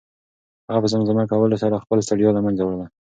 هغه په زمزمه کولو سره خپله ستړیا له منځه وړله.